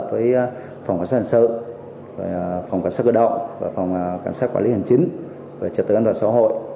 với phòng cảnh sát hành sự phòng cảnh sát cơ động phòng cảnh sát quản lý hành chính về trật tự an toàn xã hội